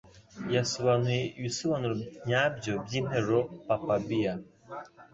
Yasobanuye ibisobanuro nyabyo byinteruro. (papabear)